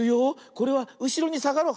これはうしろにさがろう。